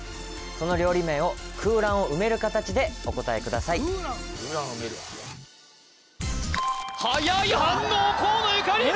その料理名を空欄を埋める形でお答えください空欄・空欄を埋める早い反応河野ゆかり！